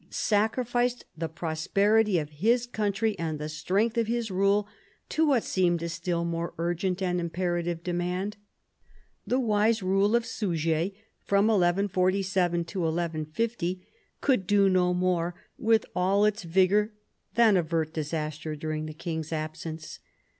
sacrificed the prosperity of his country and the strength of his rule to what seemed a still more urgent and imperative demand. The wise rule of Suger, 1147 1150, could do no more, with all its vigour, than avert disaster during the king's absence.